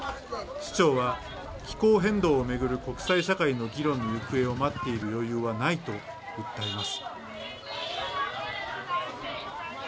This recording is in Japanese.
市長は気候変動を巡る国際社会の議論の行方を待っている余裕はないと訴えます。